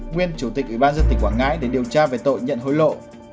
nguyên chủ tịch ủy ban dân tỉnh quảng ngãi để điều tra về tội nhận hối lộ